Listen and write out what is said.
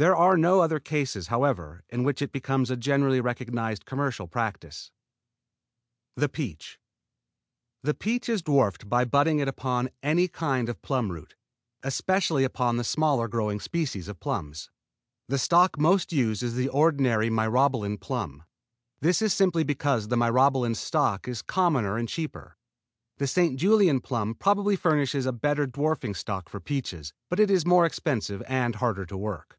There are no other cases, however, in which it becomes a generally recognized commercial practise. THE PEACH The peach is dwarfed by budding it upon almost any kind of a plum root, especially upon the smaller growing species of plums. The stock most used is the ordinary Myrobalan plum. This is simply because the Myrobalan stock is commoner and cheaper. The St. Julien plum probably furnishes a better dwarfing stock for peaches, but it is more expensive and harder to work.